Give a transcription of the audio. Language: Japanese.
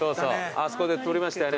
あそこで撮りましたよね。